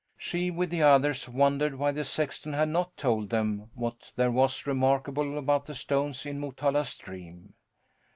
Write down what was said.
She, with the others, wondered why the sexton had not told them what there was remarkable about the stones in Motala Stream.